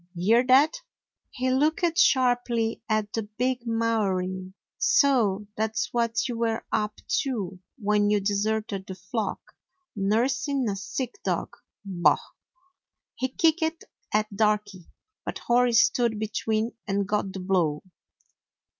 Hear that?" He looked sharply at the big Maori. "So that 's what you were up to when you deserted the flock; nursing a sick dog. Bah!" He kicked at Darky, but Hori stood be tween and got the blow.